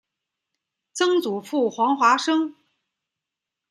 曾祖父黄华生。